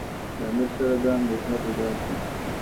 له امیر سره دا اندېښنه پیدا شوه.